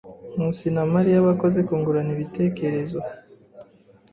Nkusi na Mariya bakoze kungurana ibitekerezo.